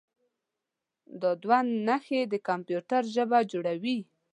دا دوه نښې د کمپیوټر ژبه جوړوي.